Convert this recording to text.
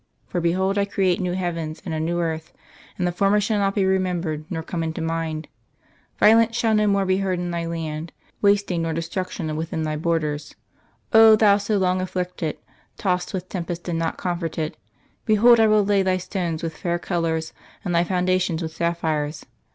For behold I create new heavens and a new earth; and the former shall not be remembered nor come into mind.... Violence shall no more be heard in thy land, wasting nor destruction within thy borders. O thou so long afflicted, tossed with tempest and not comforted; behold I will lay thy stones with fair colours, and thy foundations with sapphires....